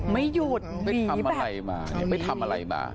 ไม่หยุดหนีแบบไม่ทำอะไรมา